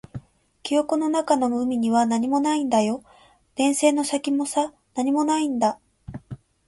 記憶の中の海には何もないんだよ。電線の先もさ、何もないんだ。